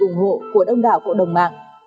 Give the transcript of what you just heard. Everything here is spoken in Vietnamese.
ủng hộ của đông đảo cộ đồng mạng